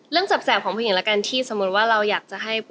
เรียกว่าไม่อ้อม